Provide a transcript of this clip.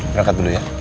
berangkat dulu ya